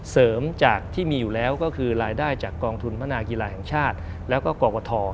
เสริมจากที่มีอยู่แล้วก็คือรายได้จากกองทุนพนากีฬาแห่งชาติแล้วก็กรกฐ